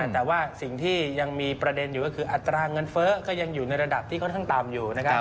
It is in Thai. แต่ว่าสิ่งที่ยังมีประเด็นอยู่ก็คืออัตราเงินเฟ้อก็ยังอยู่ในระดับที่ค่อนข้างต่ำอยู่นะครับ